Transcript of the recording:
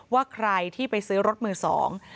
ว่าใครที่ไปซื้อรถมือสอง